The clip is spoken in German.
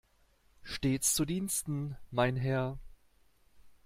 Stets zu Diensten, mein Herr!